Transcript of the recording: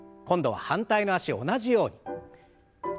今度は反対の脚を同じように。